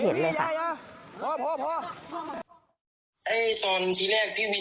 เหมือนโดนตัดหน้าพี่